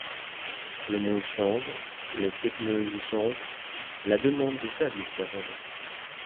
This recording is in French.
Le monde change, les technologies changent, la demande de services va changer.